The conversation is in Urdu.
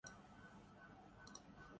کبھی کبھار خیالوں میں کھو جاتا ہوں